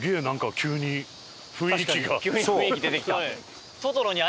急に雰囲気出てきた。